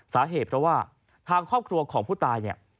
สาเหตุเพราะว่าทางครอบครัวของผู้ตายเนี่ย